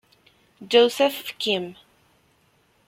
Joseph Kim.